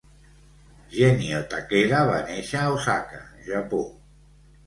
Genyo Takeda va néixer a Osaka, Japó.